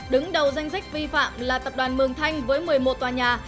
đứng đầu danh sách vi phạm là tập đoàn mường thanh với một mươi một tòa nhà